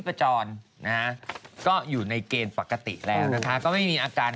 ประจรนะฮะก็อยู่ในเกณฑ์ปกติแล้วนะคะก็ไม่มีอาการ